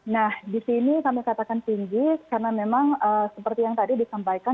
nah di sini kami katakan tinggi karena memang seperti yang tadi disampaikan